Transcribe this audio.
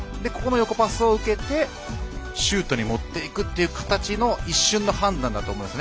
横パスを受けてシュートに持っていくという形の一瞬の判断だと思うんです。